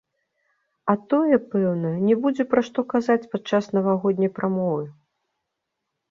А тое, пэўна, не будзе пра што казаць падчас навагодняй прамовы.